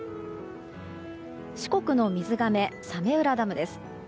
四国の水がめ、早明浦ダムです。